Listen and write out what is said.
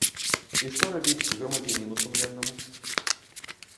І што рабіць грамадзяніну сумленнаму?